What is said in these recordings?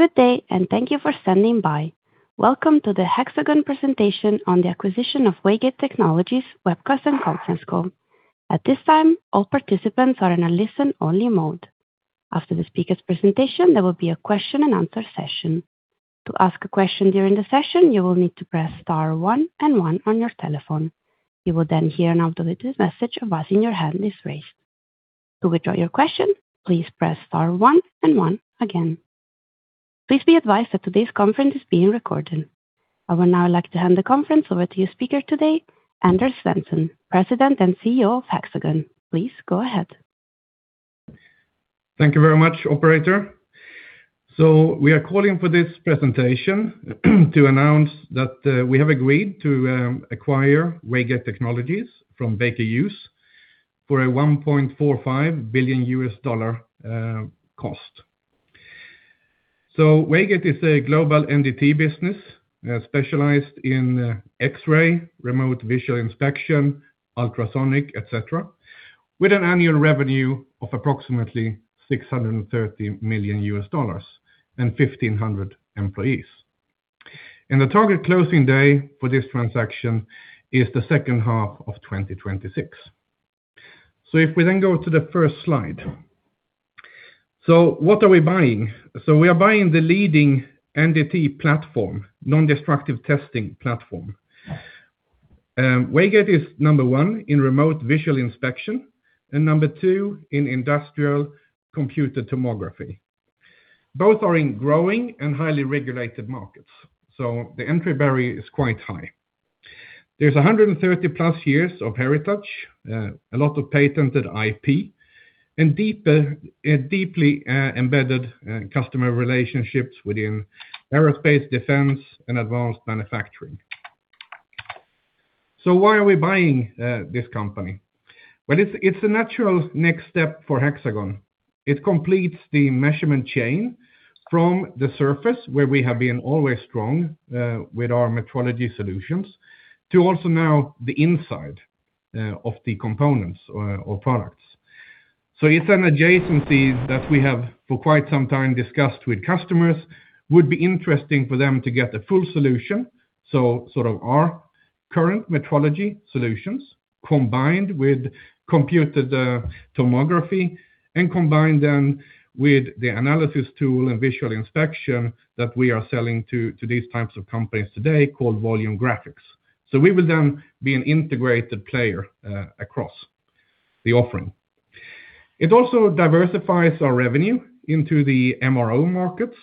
Good day and thank you for standing by. Welcome to the Hexagon presentation on the acquisition of Waygate Technologies Webcast and Conference Call. At this time, all participants are in a listen-only mode. After the speaker's presentation, there will be a question and answer session. To ask a question during the session, you will need to press star one and one on your telephone. You will then hear an automated message advising your hand is raised. To withdraw your question, please press star one and one again. Please be advised that today's conference is being recorded. I would now like to hand the conference over to your speaker today, Anders Svensson, President and CEO of Hexagon. Please go ahead. Thank you very much, operator. We are calling for this presentation to announce that we have agreed to acquire Waygate Technologies from Baker Hughes for a $1.45 billion cost. Waygate is a global NDT business specialized in X-ray, Remote Visual Inspection, ultrasonic, et cetera, with an annual revenue of approximately $630 million and 1,500 employees. The target closing day for this transaction is the second half of 2026. If we then go to the first slide. What are we buying? We are buying the leading NDT platform, nondestructive testing platform. Waygate is number one in Remote Visual Inspection and number two in industrial computed tomography. Both are in growing and highly regulated markets, so the entry barrier is quite high. There's 130+ years of heritage, a lot of patented IP, and deeply embedded customer relationships within Aerospace, Defense, and Advanced Manufacturing. Why are we buying this company? Well, it's a natural next step for Hexagon. It completes the measurement chain from the surface, where we have been always strong with our metrology solutions, to also now the inside of the components or products. It's an adjacency that we have for quite some time discussed with customers, would be interesting for them to get the full solution, sort of our current metrology solutions, combined with computed tomography and combined then with the analysis tool and visual inspection that we are selling to these types of companies today, called Volume Graphics. We will then be an integrated player across the offering. It also diversifies our revenue into the MRO markets,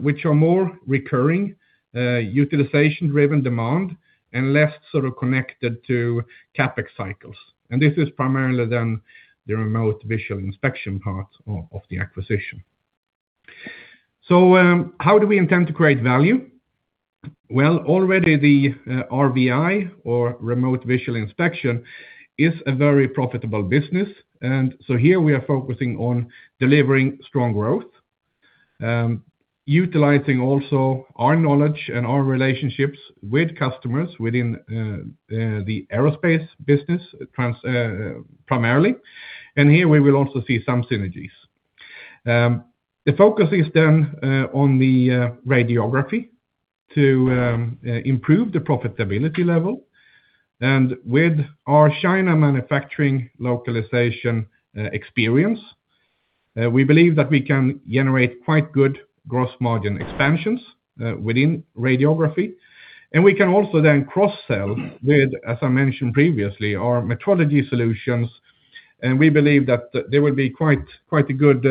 which are more recurring, utilization-driven demand, and less sort of connected to CapEx cycles. This is primarily then the Remote Visual Inspection part of the acquisition. How do we intend to create value? Well, already the RVI or Remote Visual Inspection is a very profitable business. Here we are focusing on delivering strong growth, utilizing also our knowledge and our relationships with customers within the Aerospace business primarily. Here we will also see some synergies. The focus is then on the Radiography to improve the profitability level. With our China manufacturing localization experience, we believe that we can generate quite good gross margin expansions within Radiography. We can also then cross-sell with, as I mentioned previously, our metrology solutions, and we believe that there will be quite a good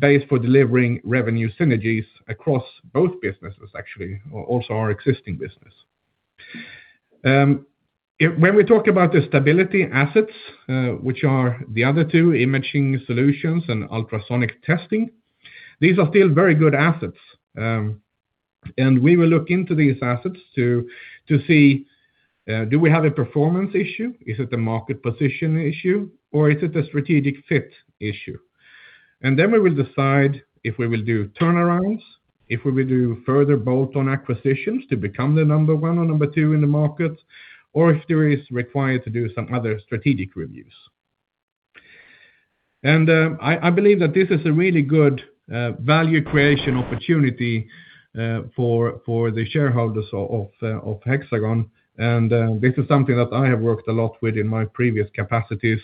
base for delivering revenue synergies across both businesses actually, also our existing business. When we talk about the stability assets, which are the other two, Imaging Solutions and Ultrasonic Testing, these are still very good assets. We will look into these assets to see, do we have a performance issue? Is it a market position issue or is it a strategic fit issue? We will decide if we will do turnarounds, if we will do further bolt-on acquisitions to become the number one or number two in the market, or if there is required to do some other strategic reviews. I believe that this is a really good value creation opportunity for the shareholders of Hexagon. This is something that I have worked a lot with in my previous capacities.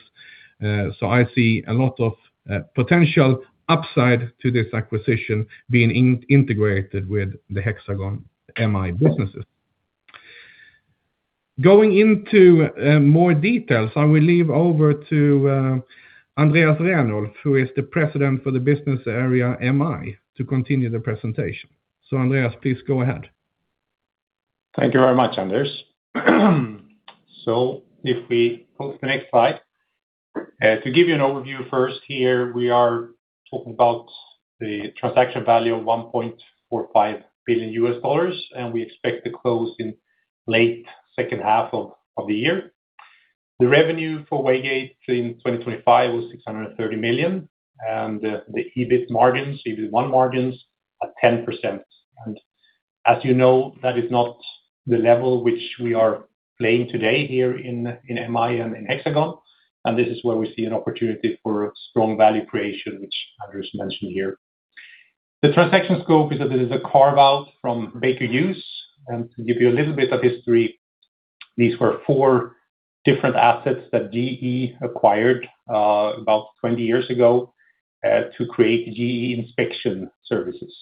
I see a lot of potential upside to this acquisition being integrated with the Hexagon MI businesses. Going into more details, I will leave over to Andreas Renulf, who is the President for the business area MI, to continue the presentation. Andreas, please go ahead. Thank you very much, Anders. If we go to the next slide. To give you an overview first here, we are talking about the transaction value of $1.45 billion, and we expect to close in late second half of the year. The revenue for Waygate in 2025 was $630 million, and the EBIT margins, EBIT1 margins are 10%. As you know, that is not the level which we are playing today here in MI and in Hexagon, and this is where we see an opportunity for strong value creation, which Anders mentioned here. The transaction scope is that this is a carve-out from Baker Hughes. To give you a little bit of history, these were four different assets that GE acquired about 20 years ago to create GE Inspection Technologies.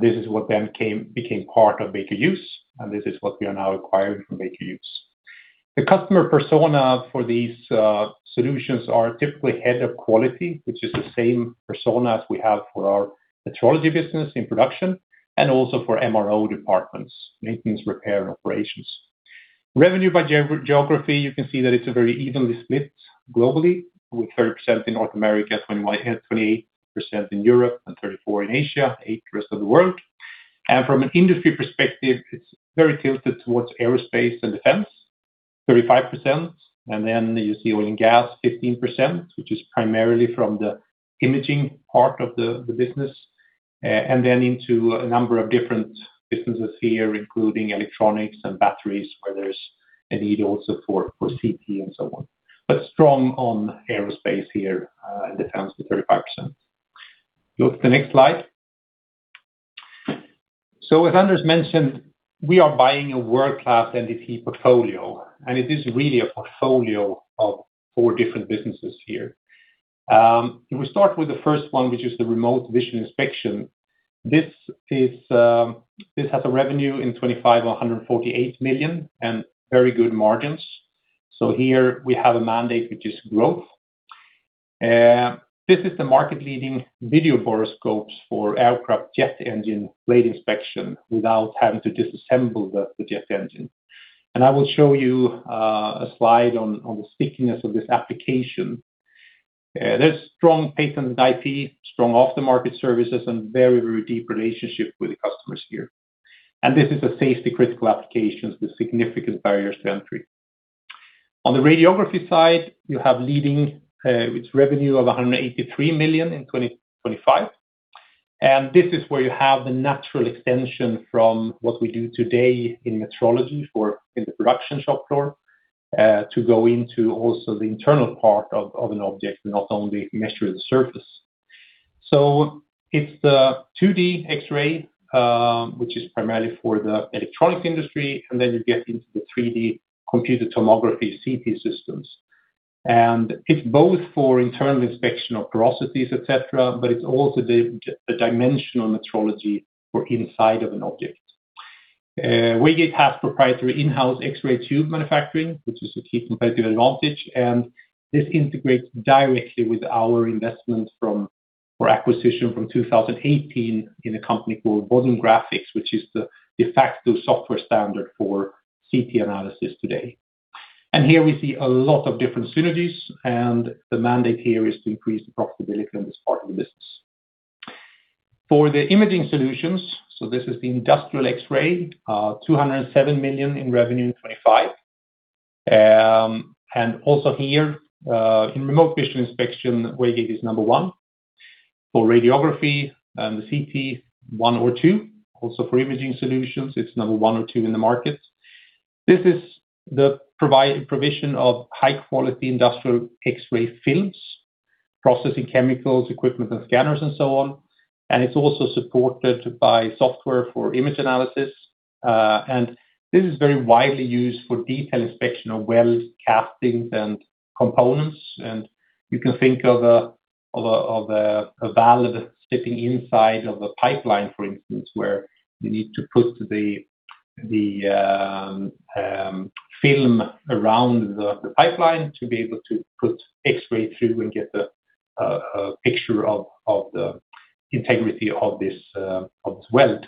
This is what then became part of Baker Hughes, and this is what we are now acquiring from Baker Hughes. The customer persona for these solutions are typically head of quality, which is the same persona as we have for our metrology business in production, and also for MRO departments, maintenance, repair, and operations. Revenue by geography, you can see that it's very evenly split globally, with 30% in North America, 28% in Europe, and 34% in Asia, 8% rest of the world. From an industry perspective, it's very tilted towards Aerospace and Defense, 35%. You see Oil and Gas, 15%, which is primarily from the imaging part of the business. Into a number of different businesses here, including electronics and batteries, where there's a need also for CT and so on. Strong on Aerospace here in Defense with 35%. Go to the next slide. As Anders mentioned, we are buying a world-class NDT portfolio, and it is really a portfolio of four different businesses here. If we start with the first one, which is the Remote Visual Inspection, this has a revenue in 2025 of $148 million and very good margins. Here we have a mandate, which is growth. This is the market-leading video borescopes for aircraft jet engine blade inspection without having to disassemble the jet engine. I will show you a slide on the stickiness of this application. There's strong patent IP, strong aftermarket services, and very deep relationship with the customers here. This is a safety-critical application with significant barriers to entry. On the Radiography side, you have leading with revenue of $183 million in 2025. This is where you have the natural extension from what we do today in metrology in the production shop floor, to go into also the internal part of an object and not only measure the surface. It's the 2D X-ray, which is primarily for the electronics industry, and then you get into the 3D computed tomography CT systems. It's both for internal inspection of porosities, et cetera, but it's also the dimensional metrology for inside of an object. Waygate has proprietary in-house X-ray tube manufacturing, which is a key competitive advantage, and this integrates directly with our investment from our acquisition from 2018 in a company called Volume Graphics, which is the de facto software standard for CT analysis today. Here we see a lot of different synergies and the mandate here is to increase the profitability on this part of the business. For the Imaging Solutions, this is the industrial X-ray, $207 million in revenue in 2025. Also here, in Remote Visual Inspection, Waygate is number one. For Radiography and the CT, one or two. Also for Imaging Solutions, it's number one or two in the market. This is the provision of high-quality industrial X-ray films, processing chemicals, equipment and scanners and so on. It's also supported by software for image analysis. This is very widely used for detail inspection of welds, castings, and components. You can think of a valve that's sitting inside of a pipeline, for instance, where you need to put the film around the pipeline to be able to put X-ray through and get a picture of the integrity of this weld.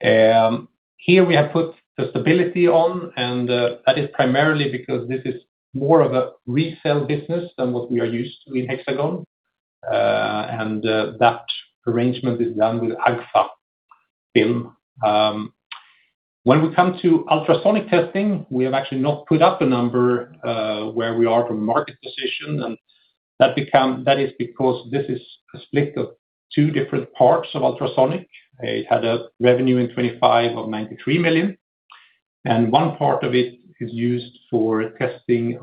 Here we have put the stability on, and that is primarily because this is more of a resale business than what we are used to in Hexagon. That arrangement is done with Agfa film. When we come to Ultrasonic Testing, we have actually not put up a number where we are from market position, and that is because this is a split of two different parts of ultrasonic. It had a revenue in 2025 of $93 million. One part of it is used for testing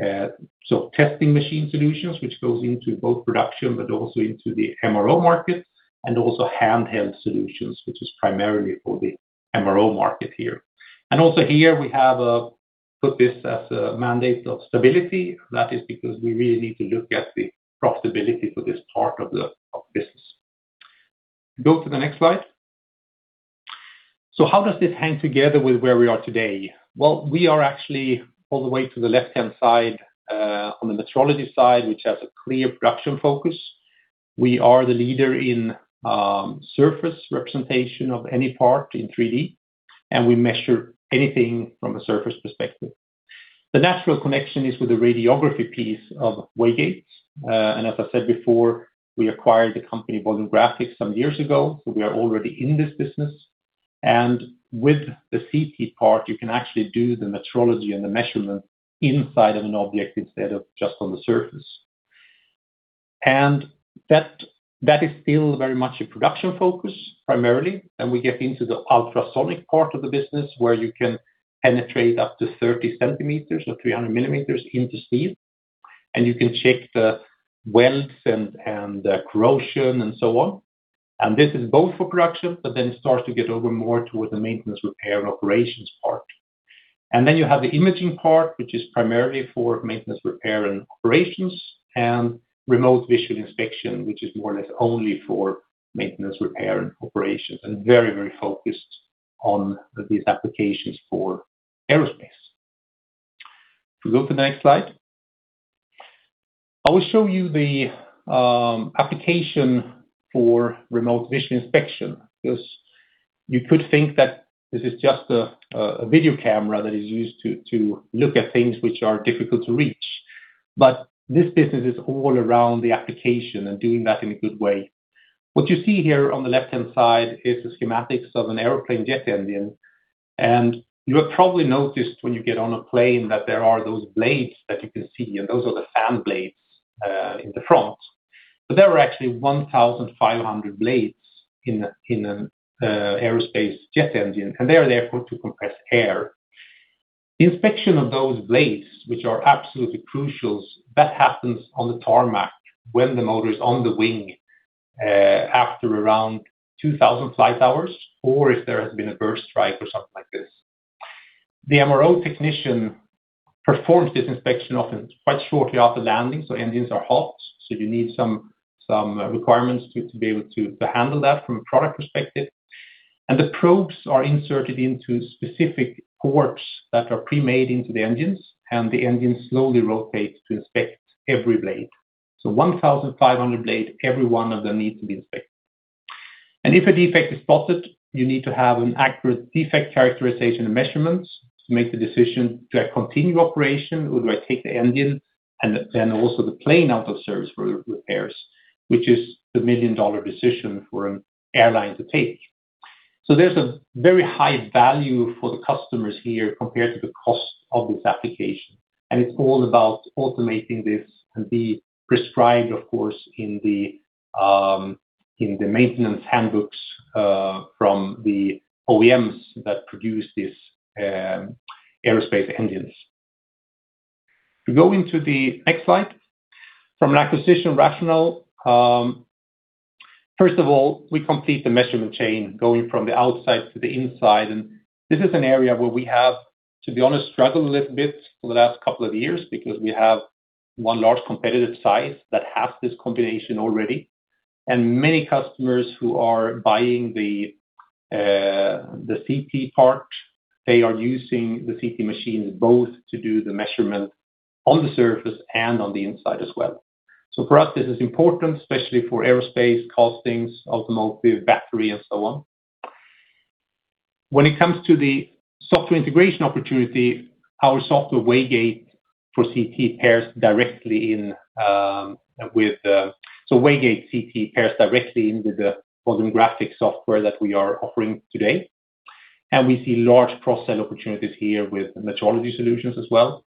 machine solutions, which goes into both production but also into the MRO market, and also handheld solutions, which is primarily for the MRO market here. Also here we have put this as a mandate of stability. That is because we really need to look at the profitability for this part of the business. Go to the next slide. How does this hang together with where we are today? Well, we are actually all the way to the left-hand side, on the metrology side, which has a clear production focus. We are the leader in surface representation of any part in 3D, and we measure anything from a surface perspective. The natural connection is with the Radiography piece of Waygate. As I said before, we acquired the company Volume Graphics some years ago, so we are already in this business. With the CT part, you can actually do the metrology and the measurement inside of an object instead of just on the surface. That is still very much a production focus primarily. We get into the ultrasonic part of the business, where you can penetrate up to 30 cm or 300 mm into steel, and you can check the welds and the corrosion and so on. This is both for production, but then it starts to get over more toward the maintenance, repair, and operations part. You have the imaging part, which is primarily for maintenance, repair, and operations, and Remote Visual Inspection, which is more or less only for maintenance, repair, and operations, and very focused on these applications for Aerospace. If we go to the next slide, I will show you the application for Remote Visual Inspection, because you could think that this is just a video camera that is used to look at things which are difficult to reach. This business is all around the application and doing that in a good way. What you see here on the left-hand side is the schematics of an airplane jet engine. You have probably noticed when you get on a plane that there are those blades that you can see, and those are the fan blades in the front. There are actually 1,500 blades in an Aerospace jet engine, and they are there for to compress air. The inspection of those blades, which are absolutely crucial, that happens on the tarmac when the motor is on the wing, after around 2,000 flight hours, or if there has been a bird strike or something like this. The MRO technician performs this inspection often quite shortly after landing, so engines are hot. You need some requirements to be able to handle that from a product perspective. The probes are inserted into specific ports that are pre-made into the engines, and the engine slowly rotates to inspect every blade. 1,500 blades, every one of them needs to be inspected. If a defect is spotted, you need to have an accurate defect characterization and measurements to make the decision. Do I continue operation or do I take the engine and then also the plane out of service for repairs, which is the million-dollar decision for an airline to take? There's a very high value for the customers here compared to the cost of this application. It's all about automating this and be prescribed, of course, in the maintenance handbooks from the OEMs that produce these Aerospace engines. If we go into the next slide, from an acquisition rationale, first of all, we complete the measurement chain going from the outside to the inside. This is an area where we have, to be honest, struggled a little bit over the last couple of years because we have one large competitor that has this combination already. Many customers who are buying the CT part, they are using the CT machines both to do the measurement on the surface and on the inside as well. For us, this is important, especially for Aerospace, castings, automotive, battery, and so on. When it comes to the software integration opportunity, Waygate CT pairs directly into the Volume Graphics software that we are offering today. We see large cross-sell opportunities here with metrology solutions as well.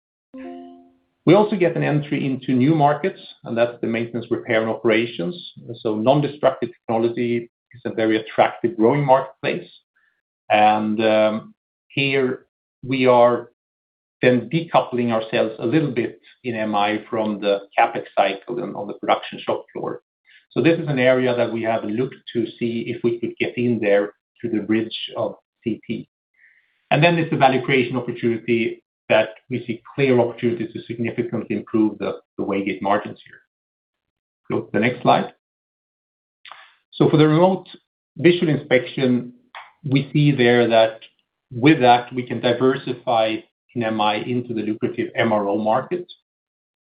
We also get an entry into new markets, and that's the Maintenance, Repair, and Operations. Nondestructive technology is a very attractive growing marketplace. Here we are then decoupling ourselves a little bit in MI from the CapEx cycle and on the production shop floor. This is an area that we have looked to see if we could get in there through the bridge of CT. There's the value creation opportunity that we see clear opportunities to significantly improve the Waygate margins here. Go to the next slide. For the Remote Visual Inspection, we see there that with that, we can diversify MI into the lucrative MRO market.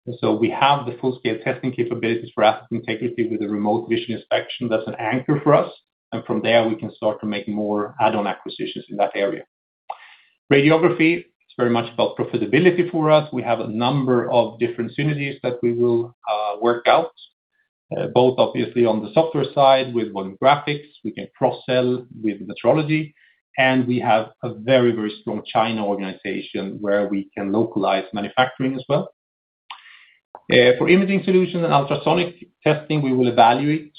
We have the full-scale testing capabilities for asset integrity with the Remote Visual Inspection. That's an anchor for us. From there, we can start to make more add-on acquisitions in that area. Radiography is very much about profitability for us. We have a number of different synergies that we will work out, both obviously on the software side with Volume Graphics. We can cross-sell with metrology, and we have a very strong China organization where we can localize manufacturing as well. For Imaging Solutions and Ultrasonic Testing, we will evaluate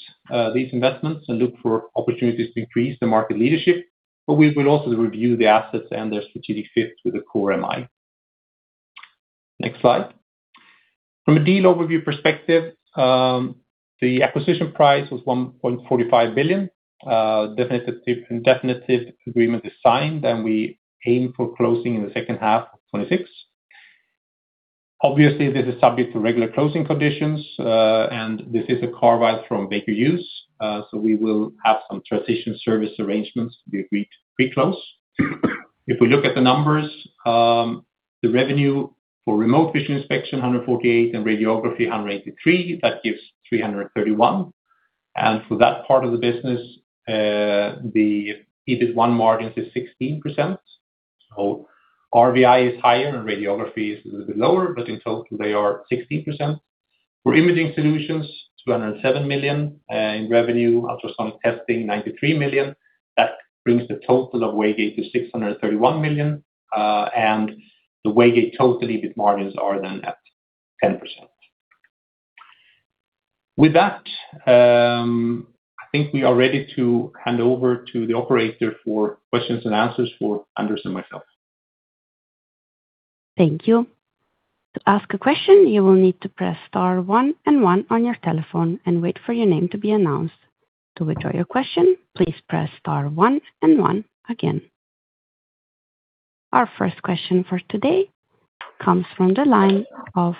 these investments and look for opportunities to increase the market leadership. We will also review the assets and their strategic fit with the core MI. Next slide. From a deal overview perspective, the acquisition price was $1.45 billion. Definite and definitive agreement is signed, and we aim for closing in the second half of 2026. Obviously, this is subject to regular closing conditions, and this is a carve-out from Baker Hughes. We will have some transition service arrangements pre-close. If we look at the numbers, the revenue for Remote Visual Inspection, $148, and Radiography, $183, that gives $331. For that part of the business, the EBIT1 margins is 16%. RVI is higher and Radiography is a little bit lower. In total they are 16%. For Imaging Solutions, $207 million in revenue. Ultrasonic Testing, $93 million. That brings the total of Waygate to $631 million. The Waygate total EBIT1 margins are then at 10%. With that, I think we are ready to hand over to the operator for questions and answers for Anders and myself. Thank you. To ask a question, you will need to press star one and one on your telephone and wait for your name to be announced. To withdraw your question, please press star one and one again. Our first question for today comes from the line of,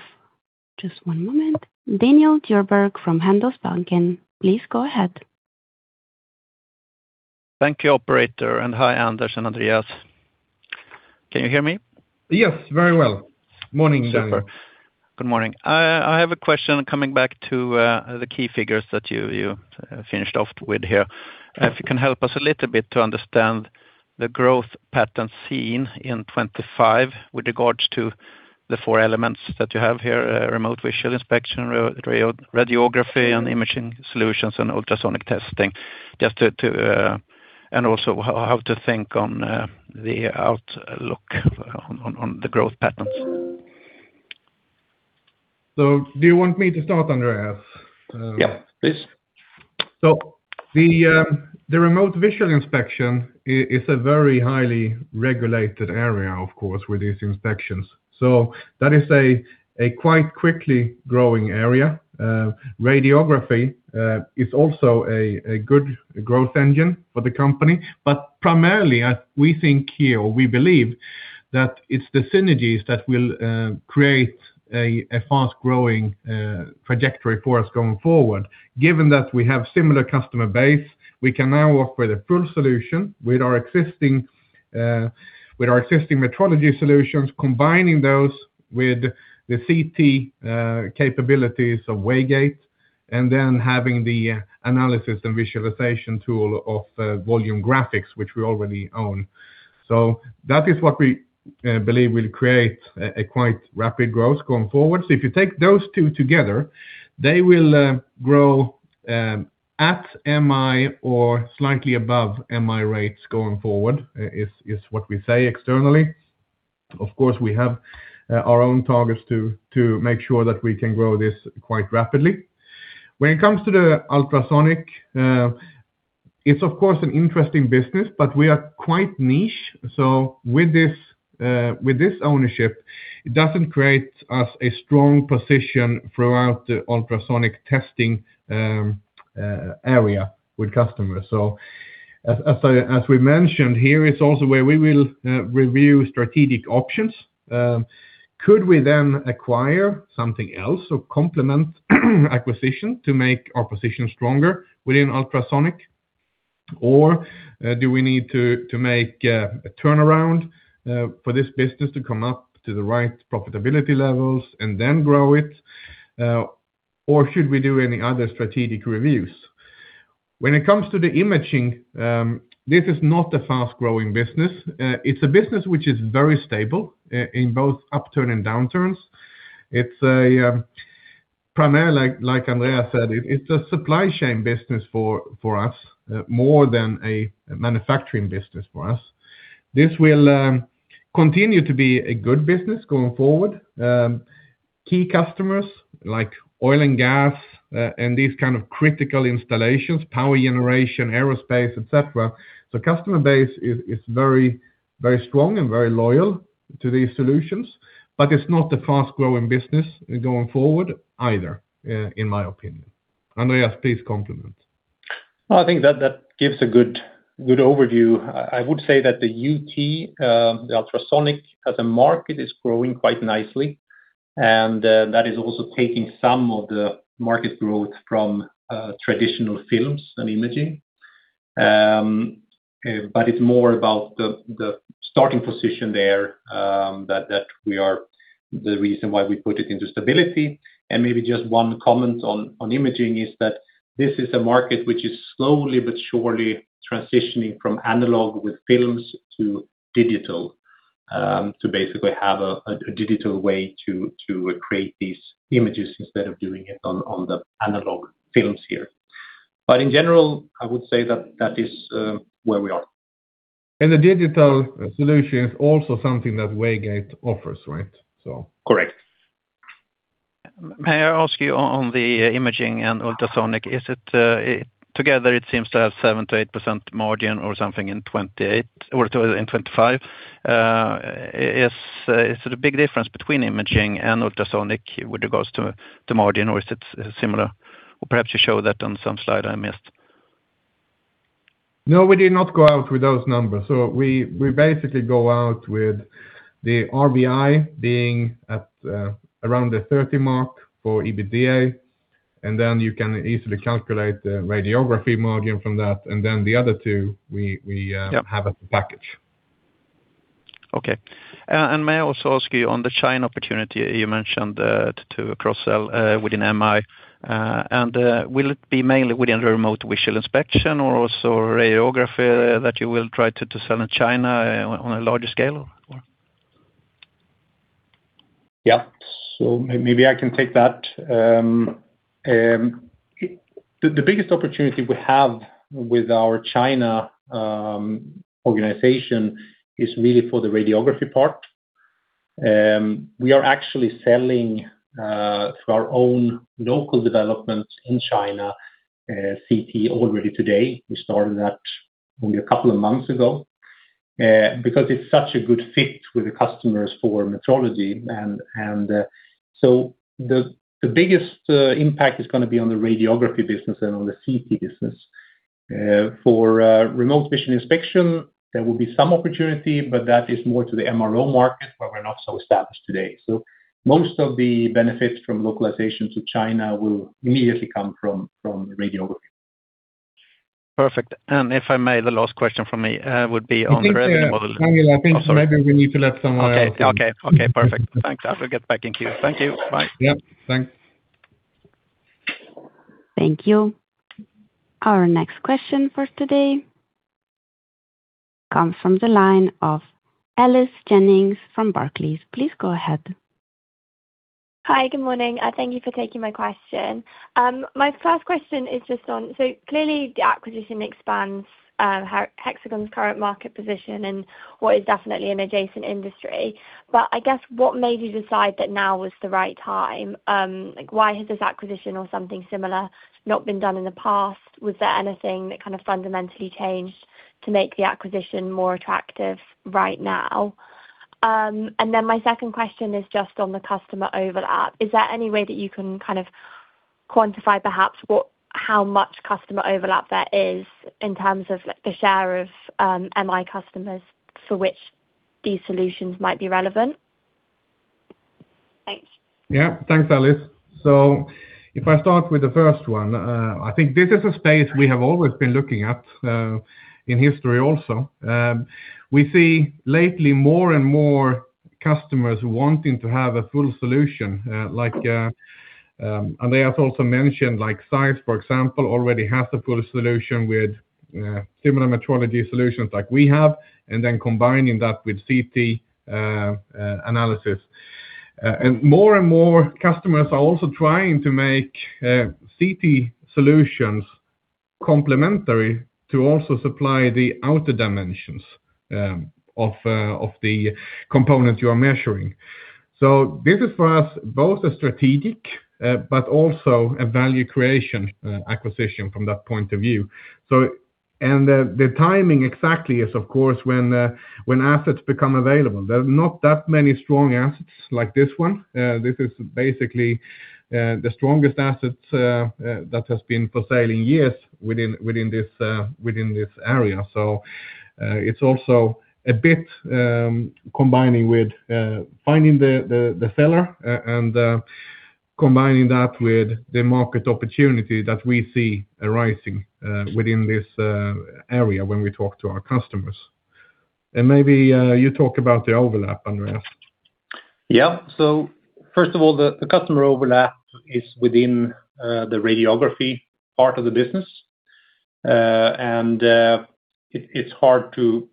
just one moment, Daniel Djurberg from Handelsbanken. Please go ahead. Thank you, Operator, and hi, Anders and Andreas. Can you hear me? Yes. Very well. Morning, Daniel. Good morning. I have a question coming back to the key figures that you finished off with here. If you can help us a little bit to understand the growth pattern seen in 2025 with regards to the four elements that you have here, Remote Visual Inspection, Radiography and Imaging Solutions, and Ultrasonic Testing, and also how to think on the outlook on the growth patterns? Do you want me to start, Andreas? Yeah, please. Remote Visual Inspection is a very highly regulated area, of course, with these inspections. That is a quite quickly growing area. Radiography is also a good growth engine for the company, but primarily we think here, or we believe, that it's the synergies that will create a fast-growing trajectory for us going forward. Given that we have similar customer base, we can now offer the full solution with our existing metrology solutions, combining those with the CT capabilities of Waygate, and then having the analysis and visualization tool of Volume Graphics, which we already own. That is what we believe will create a quite rapid growth going forward. If you take those two together, they will grow at MI or slightly above MI rates going forward, is what we say externally. Of course, we have our own targets to make sure that we can grow this quite rapidly. When it comes to the ultrasonic, it's of course an interesting business, but we are quite niche, so with this ownership, it doesn't create us a strong position throughout the Ultrasonic Testing area with customers. As we mentioned, here is also where we will review strategic options. Could we then acquire something else? Complement acquisition to make our position stronger within ultrasonic? Do we need to make a turnaround for this business to come up to the right profitability levels and then grow it, or should we do any other strategic reviews? When it comes to the imaging, this is not a fast-growing business. It's a business which is very stable in both upturn and downturns. It's primarily, like Andreas said, it's a supply chain business for us, more than a manufacturing business for us. This will continue to be a good business going forward. Key customers like Oil and Gas, and these kind of critical installations, power generation, Aerospace, et cetera. Customer base is very strong and very loyal to these solutions, but it's not a fast-growing business going forward either, in my opinion. Andreas, please comment. I think that gives a good overview. I would say that the UT, the ultrasonic as a market, is growing quite nicely. That is also taking some of the market growth from traditional films and imaging. It's more about the starting position there, the reason why we put it into stability and maybe just one comment on imaging is that this is a market which is slowly but surely transitioning from analog with films to digital, to basically have a digital way to create these images instead of doing it on the analog films here. In general, I would say that that is where we are. The digital solution is also something that Waygate offers, right? Correct. May I ask you on the imaging and ultrasonic, together it seems to have 7%-8% margin or something in 2028 or in 2025? Is it a big difference between imaging and ultrasonic with regards to margin, or is it similar? Perhaps you show that on some slide I missed. No, we did not go out with those numbers. We basically go out with the RVI being at around the 30% mark for EBITDA, and then you can easily calculate the Radiography margin from that, and then the other two we have as a package. Okay. May I also ask you on the China opportunity? You mentioned to cross-sell within MI, and will it be mainly within the Remote Visual Inspection or also Radiography that you will try to sell in China on a larger scale? Yeah. Maybe I can take that. The biggest opportunity we have with our China organization is really for the Radiography part. We are actually selling through our own local developments in China, CT already today. We started that only a couple of months ago, because it's such a good fit with the customers for metrology. The biggest impact is going to be on the Radiography business and on the CT business. For Remote Visual Inspection, there will be some opportunity, but that is more to the MRO market where we're not so established today. Most of the benefits from localization to China will immediately come from Radiography. Perfect. If I may, the last question from me would be on the revenue model. I think, Daniel, I think maybe we need to let someone else in. Okay. Perfect. Thanks. I will get back in queue. Thank you. Bye. Yep. Thanks. Thank you. Our next question for today comes from the line of Alice Jennings from Barclays. Please go ahead. Hi. Good morning. Thank you for taking my question. My first question is just on, clearly the acquisition expands Hexagon's current market position in what is definitely an adjacent industry, but I guess what made you decide that now was the right time? Why has this acquisition or something similar not been done in the past? Was there anything that kind of fundamentally changed to make the acquisition more attractive right now? My second question is just on the customer overlap. Is there any way that you can kind of quantify perhaps how much customer overlap there is in terms of the share of MI customers for which these solutions might be relevant? Thanks. Yeah. Thanks, Alice. If I start with the first one, I think this is a space we have always been looking at, in history also. We see lately more and more customers wanting to have a full solution, like Andreas also mentioned, like Zeiss, for example, already has a full solution with similar metrology solutions like we have, and then combining that with CT analysis. More and more customers are also trying to make CT solutions complementary to also supply the outer dimensions of the components you are measuring. This is for us both a strategic, but also a value creation acquisition from that point of view. The timing exactly is, of course, when assets become available. There are not that many strong assets like this one. This is basically the strongest asset that has been for sale in years within this area. It's also a bit combining with finding the seller and combining that with the market opportunity that we see arising within this area when we talk to our customers. Maybe you talk about the overlap, Andreas. Yeah. First of all, the customer overlap is within the Radiography part of the business. It's hard to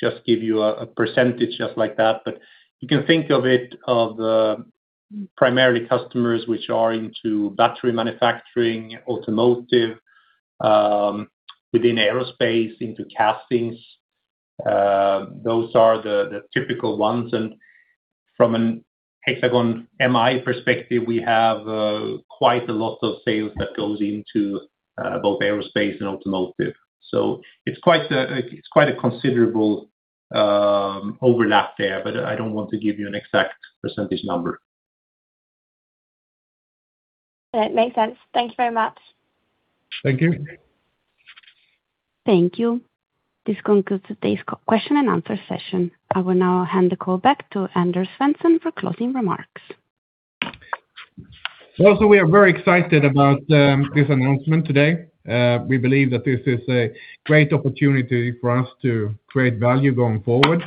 just give you a percentage just like that. You can think of it of the primary customers which are into battery manufacturing, automotive, within Aerospace, into castings. Those are the typical ones. From an Hexagon MI perspective, we have quite a lot of sales that goes into both Aerospace and automotive. It's quite a considerable overlap there, but I don't want to give you an exact percentage number. All right. Makes sense. Thank you very much. Thank you. Thank you. This concludes today's question and answer session. I will now hand the call back to Anders Svensson for closing remarks. Also, we are very excited about this announcement today. We believe that this is a great opportunity for us to create value going forward,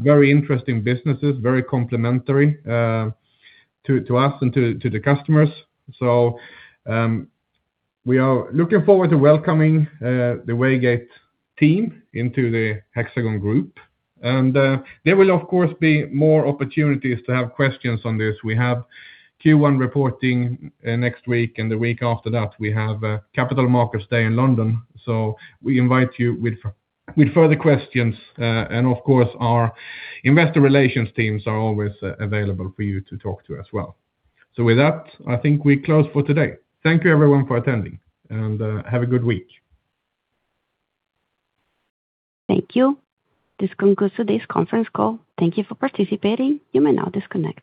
very interesting businesses, very complementary to us and to the customers. We are looking forward to welcoming the Waygate team into the Hexagon Group. There will, of course, be more opportunities to have questions on this. We have Q1 reporting next week, and the week after that we have Capital Markets Day in London. We invite you with further questions. Of course, our Investor Relations teams are always available for you to talk to as well. With that, I think we close for today. Thank you everyone for attending and have a good week. Thank you. This concludes today's conference call. Thank you for participating. You may now disconnect.